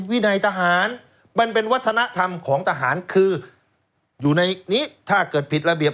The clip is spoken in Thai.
วินัยทหารมันเป็นวัฒนธรรมของทหารคืออยู่ในนี้ถ้าเกิดผิดระเบียบ